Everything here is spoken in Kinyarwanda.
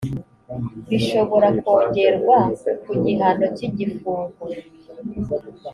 bishobora kongerwa ku gihano cy igifungo